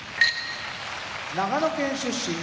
長野県出身